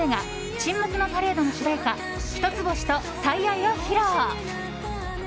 「沈黙のパレード」の主題歌「ヒトツボシ」と「最愛」を披露。